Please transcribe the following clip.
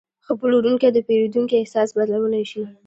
ښه پلورونکی د پیرودونکي احساس بدلولی شي.